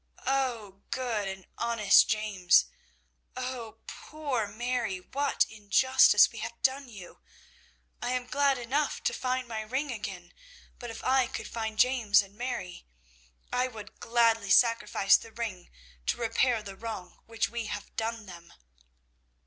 'Oh, good and honest James! oh, poor Mary, what injustice we have done you! I am glad enough to find my ring again, but if I could find James and Mary, I would gladly sacrifice the ring to repair the wrong which we have done them.'